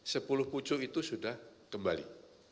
sepuluh pucuk itu sudah kembali